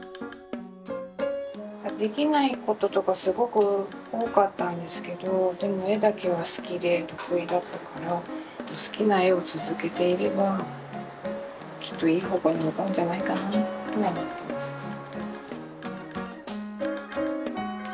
できないこととかすごく多かったんですけどでも絵だけは好きで得意だったから好きな絵を続けていればきっといい方向に向かうんじゃないかなと思ってますね。